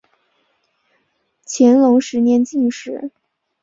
乾隆十年进士。